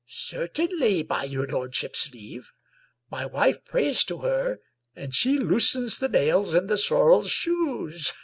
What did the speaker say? " Certainly, by your lordship's leave. My wife prays to her and she loosens the nails in the sorrel's shoes."